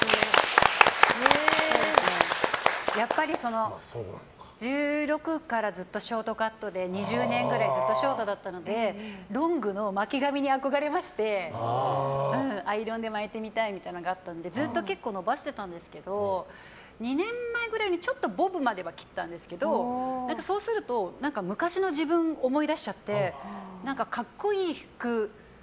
やっぱり１６からずっとショートカットで２０年ぐらいずっとショートだったのでロングの巻き髪に憧れましてアイロンで巻いてみたいというのがあったのでずっと結構伸ばしてたんですけど２年前くらいに、ちょっとボブまでは切ったんですけどそうすると昔の自分を思い出しちゃって格好いい服。